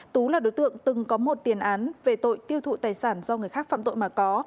tú là đối tượng từng có một tiền án về tội tiêu thụ tài sản do người khác phạm tội mà có